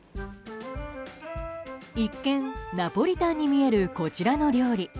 一見、ナポリタンに見えるこちらの料理。